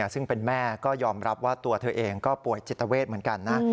ซึ่งเป็นแม่ก็ยอมรับว่าตัวเธอเองก็ป่วยจิตเวทเหมือนกันนะ